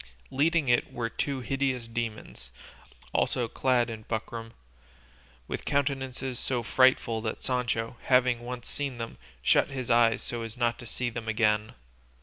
Leading it were two hideous demons, also clad in buckram, with countenances so frightful that Sancho, having once seen them, shut his eyes so as not to see them again.